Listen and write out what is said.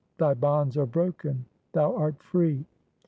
Thy bonds are broken — thou art free